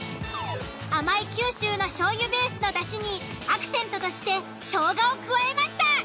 甘い九州の醤油ベ―スのだしにアクセントとしてショウガを加えました。